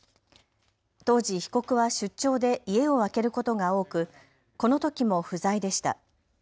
当時、被告は出張で家を空けることが多くこのときも不在でした。